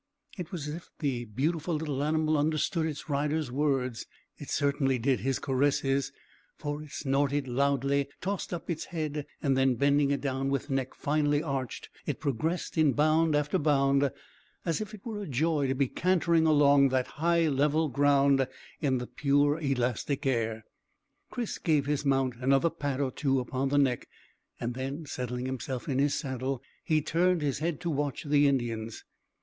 It was as if the beautiful little animal understood its rider's words. It certainly did his caresses, for it snorted loudly, tossed up its head, and then bending it down with neck finely arched, it progressed in bound after bound as if it were a joy to be cantering along that high level ground in the pure elastic air. Chris gave his mount another pat or two upon the neck, and then settling himself in his saddle he turned his head to watch the Indians.